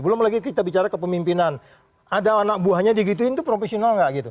belum lagi kita bicara kepemimpinan ada anak buahnya digituin itu profesional nggak gitu